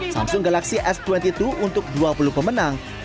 samsung galaxy s dua puluh dua untuk dua puluh pemenang